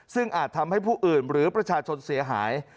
ซึ่งอาจทำให้ผู้อื่นหรือประชาชนเสียหาย